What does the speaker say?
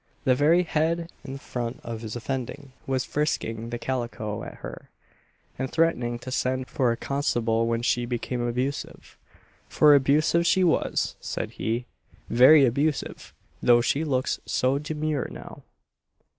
The very head and front of his offending, was "frisking" the calico at her, and threatening to send for a constable when she became abusive "for abusive she was" said he "very abusive, though she looks so demure now."